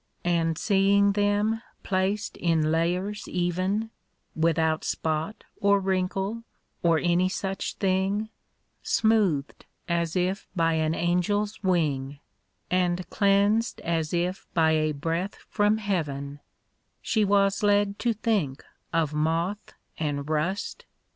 And seeing them placed in layers even ‚ÄĒ ‚ÄĘ ‚ÄĘ Without spot, or wrinkle, or any such thing, Smoothed as if by an angel's wing, And cleansed as if by a breath from heav en ‚ÄĒ She was led to think of moth and rust.